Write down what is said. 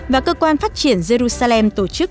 và cơ quan phát triển jerusalem tổ chức